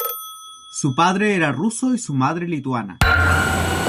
Su padre era ruso y su madre lituana.